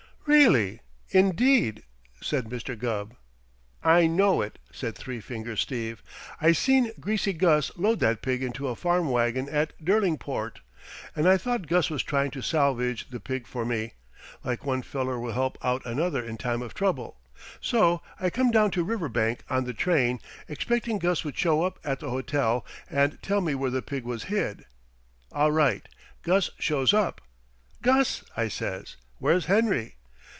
"Really, indeed?" said Mr. Gubb. "I know it!" said Three Finger Steve. "I seen Greasy Gus load that pig into a farm wagon at Derlingport, and I thought Gus was trying to salvage the pig for me, like one feller will help out another in time of trouble. So I come down to Riverbank on the train, expecting Gus would show up at the hotel and tell me where the pig was hid. All right! Gus shows up. 'Gus,' I says, 'where's Henry?'